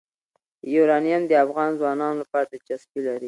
یورانیم د افغان ځوانانو لپاره دلچسپي لري.